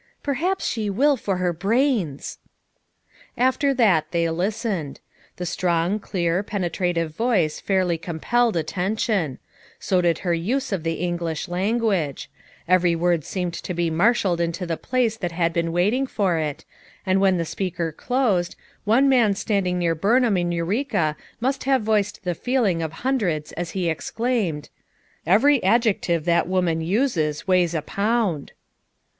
"Perhaps she will for her brains." After that they listened. The strong, clear, 190 FOUR MOTHERS AT CHAUTAUQUA penetrative voice fairly compelled attention; so did her use of the English language; every word seemed to be marshalled into the place that had been waiting for it, and when the speaker closed, one man standing near Burn ham and Eureka must have voiced the feeling of hundreds as he exclaimed: "Every adjec tive that woman uses weighs a pound